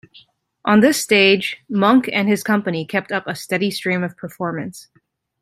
On this stage, Monck and his company kept up a steady stream of performance.